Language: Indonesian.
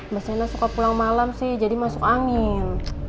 mbak sena suka pulang malam sih jadi masuk angin